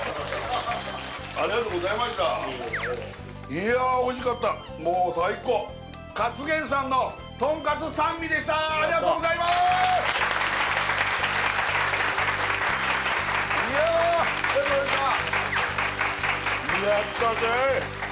いやおいしかったもう最高かつ玄さんのとんかつ三味でしたいやありがとうございました